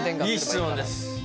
いい質問です。